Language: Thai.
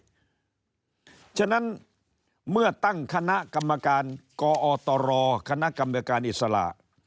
เพราะฉะนั้นเมื่อตั้งคณะกรรมการกอตรคณะกรรมการอิสระ